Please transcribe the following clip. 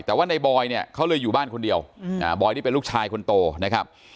แต่ว่าในบอยเนี่ยเขาเลยอยู่บ้านคนเดียวบอยนี่เป็นลูกชายคนโตนะครับ